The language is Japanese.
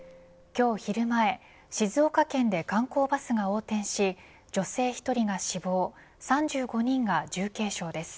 今日、昼前静岡県で観光バスが横転し女性１人が死亡３５人が重軽傷です。